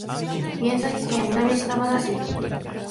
長崎県南島原市